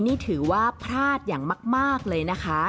นี่ถือว่าพลาดอย่างมากเลยนะคะ